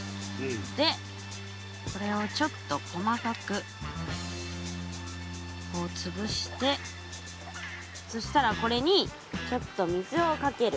でこれをちょっと細かくつぶしてそしたらこれにちょっと水をかける。